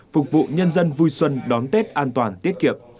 phục vụ nhân dân vui xuân đón tết an toàn tiết kiệm